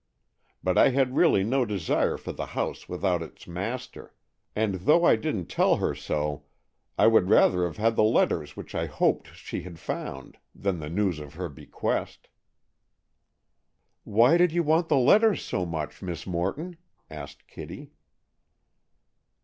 But I had really no desire for the house without its master, and though I didn't tell her so, I would rather have had the letters which I hoped she had found, than the news of her bequest." "Why did you want the letters so much, Miss Morton?" asked Kitty.